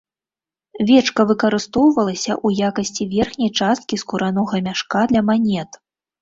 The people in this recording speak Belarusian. Вечка выкарыстоўвалася ў якасці верхняй часткі скуранога мяшка для манет.